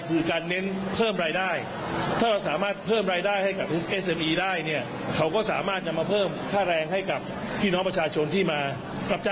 ก่อนใจเดินหน้าแก้ปัญหาให้กับพี่น้องทรัพย์